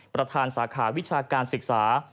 ประธานสาขาวิชาการศึกษา